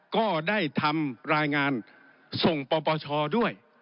ก็ได้ทำรายงานส่งปปชด้วย